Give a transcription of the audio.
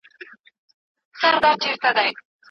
هغه په خپله څېړنه کي تاریخي غلطۍ کړی دي.